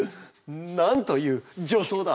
なんという助走だ。